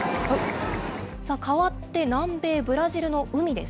変わって南米ブラジルの海です。